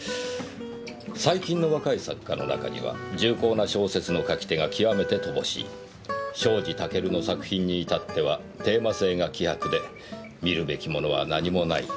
「最近の若い作家の中には重厚な小説の書き手が極めて乏しい」「庄司タケルの作品に至ってはテーマ性が希薄で見るべきものは何もない」